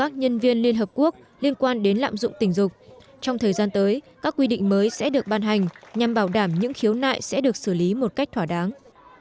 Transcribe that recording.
trong thời gian tới các quy định mới sẽ được ban hành nhằm bảo đảm những khiếu nại sẽ được xử lý một cách thỏa đáng